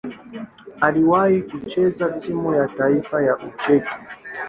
Aliwahi kucheza timu ya taifa ya Ucheki.